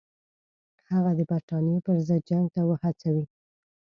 هغه د برټانیې پر ضد جنګ ته وهڅوي.